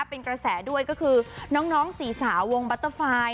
เป็นกระแสด้วยก็คือน้องสี่สาววงบัตเตอร์ไฟล์